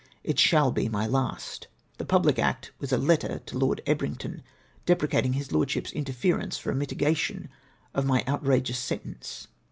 It shall be my last. That pujjhc act was a letter to Lord Ebrington, deprecating his Lordship's interference for a mitigation of my outrageous sentence.